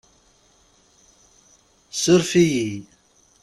Suref-iyi.